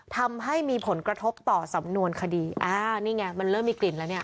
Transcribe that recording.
ทำให้มีผลกระทบต่อสำนวนคดีอ่านี่ไงมันเริ่มมีกลิ่นแล้วเนี่ย